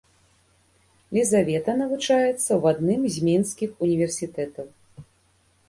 Лізавета навучаецца ў адным з мінскіх універсітэтаў.